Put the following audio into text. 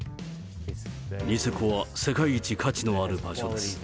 ニセコは世界一価値のある場所です。